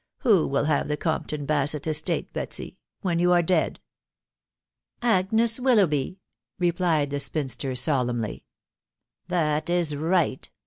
Who will have the Compton Basett estate, Betsy, when you are dead ?"" Agnes Willoughby," replied the spinster, solemnly. " That is right.